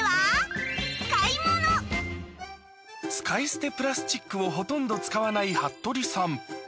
使い捨てプラスチックをほとんど使わない服部さん